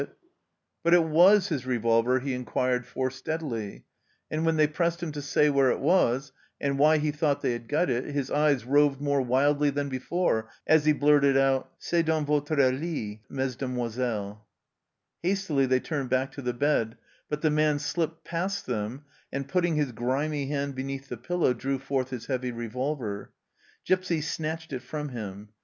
84 THE CELLAR HOUSE OF PERVYSE But it was his revolver he inquired for steadily, and when they pressed him to say where it was, and why he thought they had got it, his eyes roved more wildly than before as he blurted out, " C'est dans votre lit, mesdemoiselles" Hastily they turned back to the bed, but the man slipped past them, and, putting his grimy hand beneath the pillow, drew forth his heavy revolver. Gipsy snatched it from him.